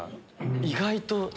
意外と下。